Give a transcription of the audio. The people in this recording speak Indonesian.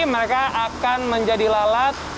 mereka akan menjadi lalat